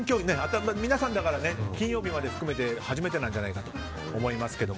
皆さん、金曜日まで含めて初めてなんじゃないかと思いますが。